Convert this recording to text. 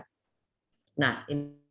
nah ini adalah kondok wisata